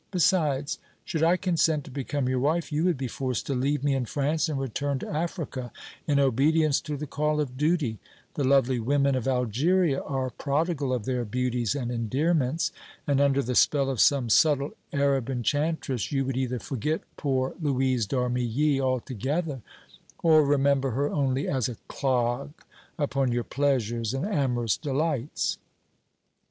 Besides, should I consent to become your wife, you would be forced to leave me in France and return to Africa in obedience to the call of duty; the lovely women of Algeria are prodigal of their beauties and endearments, and under the spell of some subtle Arab enchantress you would either forget poor Louise d'Armilly altogether, or remember her only as a clog upon your pleasures and amorous delights."